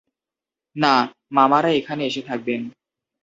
না, মামারা এখানে এসে থাকবেন।